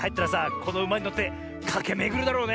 このうまにのってかけめぐるだろうねえ。